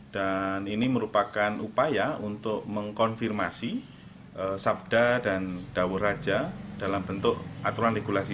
dan ini merupakan upaya untuk mengkonfirmasi sabda dan dau raja dalam bentuk aturan regulasi